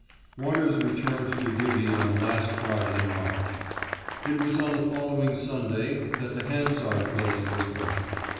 Waters returned to duty on the last Friday in March. It was on the following Sunday that the Hansard Building was burned.